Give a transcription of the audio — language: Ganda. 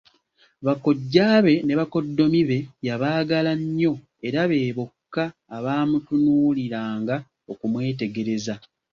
Bakojjaabe ne bakoddomi be yabaagala nnyo era be bokka abaamutunuuliranga okumwetegereza.